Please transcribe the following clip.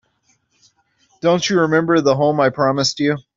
Don't you remember the home I promised you?